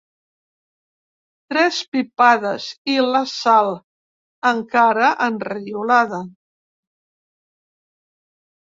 Tres pipades i la Sal, encara enriolada.